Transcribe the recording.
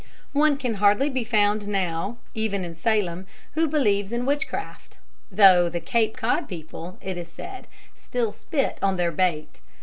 One can hardly be found now, even in Salem, who believes in witchcraft; though the Cape Cod people, it is said, still spit on their bait.